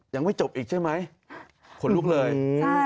ยังไม่จบอีกใช่ไหมขนลุกเลย